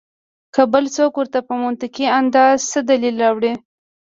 کۀ بل څوک ورته پۀ منطقي انداز څۀ دليل راوړي